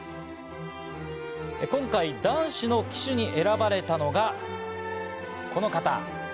今回、男子の旗手に選ばれたのが、この方。